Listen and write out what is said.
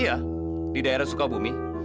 iya di daerah sukabumi